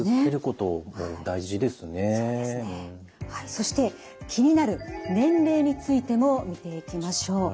そして気になる年齢についても見ていきましょう。